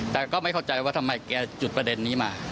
แต่ก็ไม่เข้าใจว่าทำไมแกจุดประเด็นนี้มา